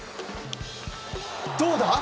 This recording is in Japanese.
どうだ？